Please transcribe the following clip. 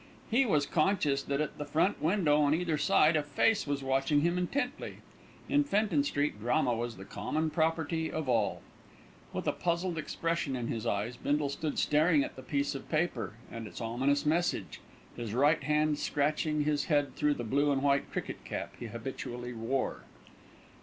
He was conscious that at the front window on either side a face was watching him intently. In Fenton Street drama was the common property of all. With a puzzled expression in his eyes, Bindle stood staring at the piece of paper and its ominous message, his right hand scratching his head through the blue and white cricket cap he habitually wore.